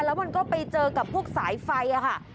แล้วมันก็ไปเจอกับพวกสายไฟค่ะ